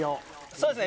そうですね。